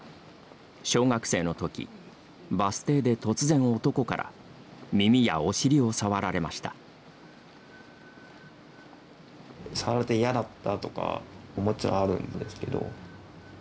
小学生のとき、バス停で突然男から耳やお尻を触れられました。